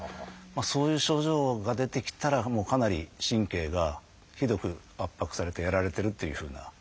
そういう症状が出てきたらもうかなり神経がひどく圧迫されてやられてるっていうふうな。